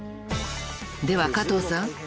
［では加藤さん